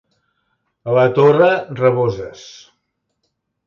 A la Torre, raboses.